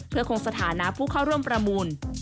เพื่อคงสถานะผู้เข้าร่วมประมูล